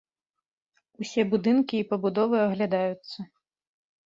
Усе будынкі і пабудовы аглядаюцца.